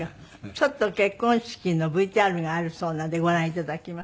ちょっと結婚式のＶＴＲがあるそうなのでご覧いただきます。